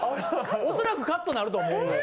おそらくカットなると思うよ。